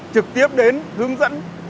trực tiếp đến hướng dẫn